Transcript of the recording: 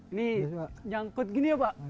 ini nyangkut gini ya pak